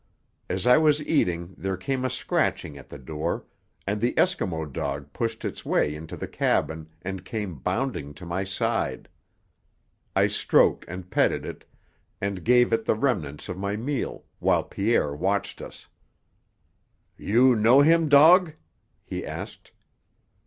As I was eating there came a scratching at the door, and the Eskimo dog pushed its way into the cabin and came bounding to my side. I stroked and petted it, and gave it the remnants of my meal, while Pierre watched us. "You know him dog?" he asked.